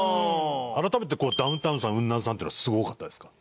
改めてこうダウンタウンさんウンナンさんっていうのはすごかったですか？